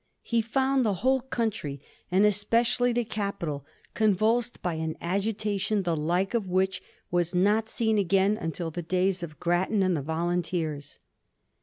He found the whole country, and especially the capital, convulsed by an agitation the like of which was not seen again until the days of Grattan and the Volunteers.